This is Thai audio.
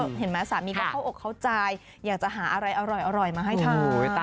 แต่เห็นมั้ยที่สามีเข้าอกเข้าใจอยากจะหาอะไรอร่อยมาให้ท้อง